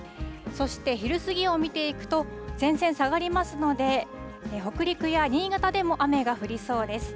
そして昼過ぎを見ていくと、前線下がりますので、北陸や新潟でも雨が降りそうです。